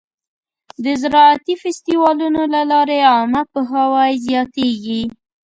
د زراعتي فستیوالونو له لارې عامه پوهاوی زیاتېږي.